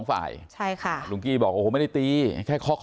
แต่ถ้าอยากจะตีเขาก็ไม่ได้อย่างนี้หรอก